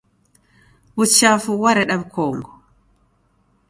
Wuchafu ghwareda wukongo.